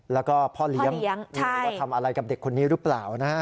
แล้วก็พ่อเลี้ยงว่าทำอะไรกับเด็กคนนี้หรือเปล่านะฮะ